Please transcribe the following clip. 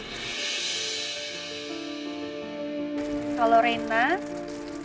nindi itu nomu waktu dititip di panti